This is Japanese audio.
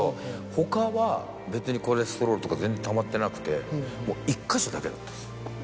他は別にコレステロールとか全然たまってなくてもう１か所だけだったです。